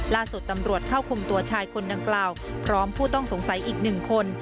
ล่าสุดตำรวจเข้าคุมตัวชายคนดังกล่าวพร้อมผู้ต้องสงสัยอีก๑คน